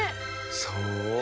そう？